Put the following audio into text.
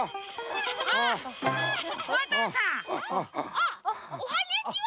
あっおはにゃちは。